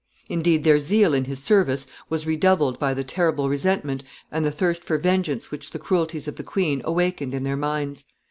Indeed, their zeal in his service was redoubled by the terrible resentment and the thirst for vengeance which the cruelties of the queen awakened in their minds.